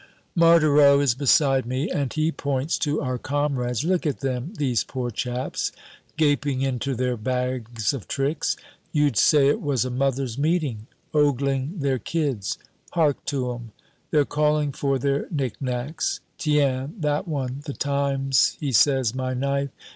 Marthereau is beside me, and he points to our comrades: "Look at them, these poor chaps gaping into their bags o' tricks. You'd say it was a mothers' meeting, ogling their kids. Hark to 'em. They're calling for their knick knacks. Tiens, that one, the times he says 'My knife!'